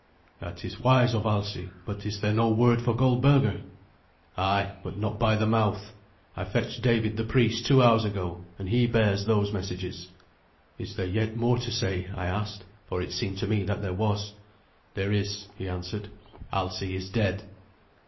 '" "That is wise of Alsi; but is there no word for Goldberga?" "Ay, but not by my mouth. I fetched David the priest two hours ago, and he bears those messages." "Is there yet more to say?" I asked, for it seemed to me that there was. "There is," he answered. "Alsi is dead."